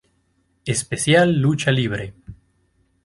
Especial Lucha Libre".